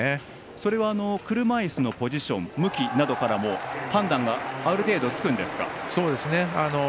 それは車いすのポジション向きなどから判断がある程度つくんですか？